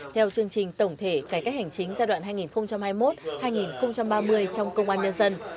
theo chương trình tổng thể cải cách hành chính giai đoạn hai nghìn hai mươi một hai nghìn ba mươi trong công an nhân dân